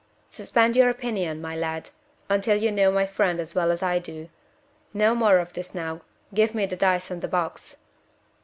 Suspend your opinion, my lad, until you know my friend as well as I do. No more of this now. Give me the dice and the box."